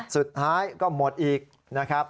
สุดท้ายก็หมดอีกนะครับ